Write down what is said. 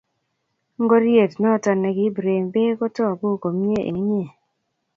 Ngoryet noto negibire beek kotagu komnyei eng inyee